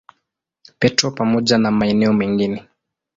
Petro pamoja na maeneo mengine.